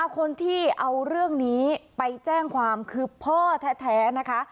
คนที่เอาเรื่องนี้ไปแจ้งความคือพ่อแท้นะคะ